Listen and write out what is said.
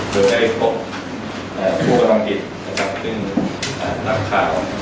โดยได้พบผู้กำลังกิจซึ่งหนักข่าว